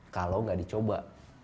kalau gak dicoba